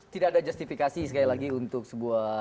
tidak ada justifikasi sekali lagi untuk sebuah